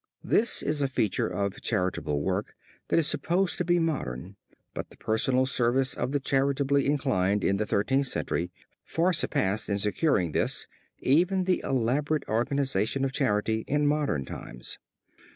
This is a feature of charitable work that is supposed to be modern, but the personal service of the charitably inclined in the Thirteenth Century, far surpassed in securing this even the elaborate organization of charity in modern times.